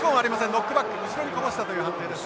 ノックバック後ろにこぼしたという判定です。